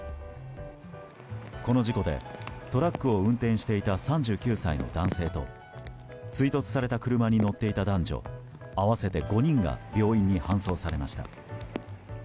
この事故で、トラックを運転していた３９歳の男性と追突された車に乗っていた男女合わせて５人が病院に搬送されました。